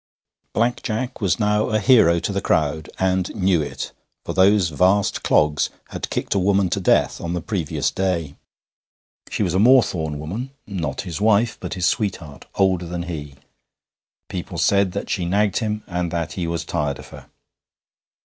Black Jack was now a hero to the crowd, and knew it, for those vast clogs had kicked a woman to death on the previous day. She was a Moorthorne woman, not his wife, but his sweetheart, older than he; people said that she nagged him, and that he was tired of her.